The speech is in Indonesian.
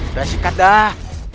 udah sikat dah